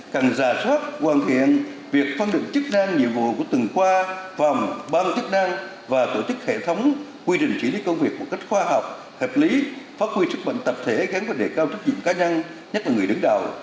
cần ra soát hoàn thiện việc phân định chức năng nhiệm vụ của từng khoa phòng bang chức năng và tổ chức hệ thống quy định chỉ lý công việc một cách khoa học hợp lý phát huy sức mạnh tập thể gắn với đề cao trách nhiệm cá nhân nhất là người đứng đầu